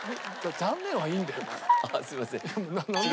「残念」はいいんだよまだ。